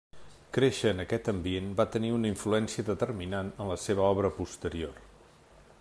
Créixer en aquest ambient va tenir una influència determinant en la seva obra posterior.